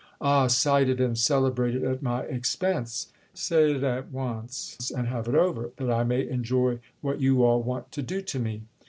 "Ah, cited and celebrated at my expense—say it at once and have it over, that I may enjoy what you all want to do to me!"